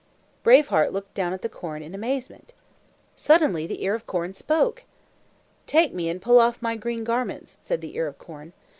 Brave Heart looked down at the corn in amazement. Suddenly the ear of corn spoke. "Take me and pull off my green garments," said the ear of corn.